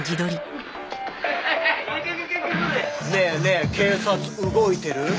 「ねえねえ警察動いてる？」